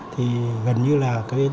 thì gần như là